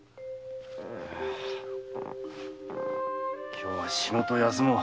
今日は仕事を休もう。